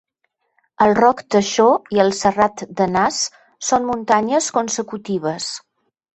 El Roc Teixó i el Serrat de Nas són muntanyes consecutives.